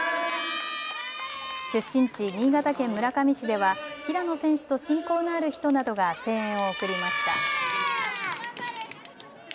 出身地、新潟県村上市では平野選手と親交のある人などが声援を送りました。